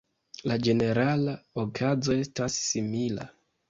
La ĝenerala okazo estas simila.